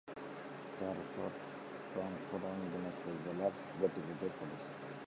তারপর রংপুর এবং দিনাজপুর জেলা এর গতিপথে পড়েছে।